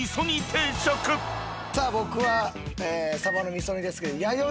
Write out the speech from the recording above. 僕はサバの味噌煮ですけど。